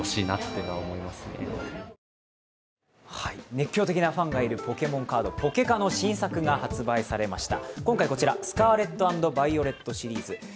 熱狂的なファンがいるポケモンカード、ポケカの新作が発売されました。